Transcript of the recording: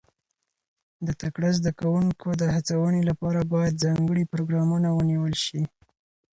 د تکړه زده کوونکو د هڅونې لپاره باید ځانګړي پروګرامونه ونیول شي.